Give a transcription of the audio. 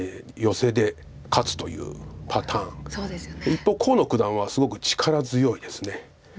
一方河野九段はすごく力強いです。